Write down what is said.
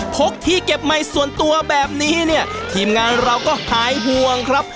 พกที่เก็บใหม่ส่วนตัวแบบนี้เนี่ยทีมงานเราก็หายห่วงครับ